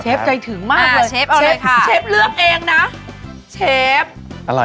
เชฟใจถึงมากเลยเชฟเลื่อกเองนะเชฟเอาเลย